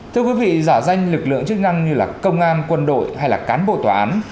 thưa quý vị giả danh lực lượng chức năng như là công an quân đội hay là cán bộ tòa án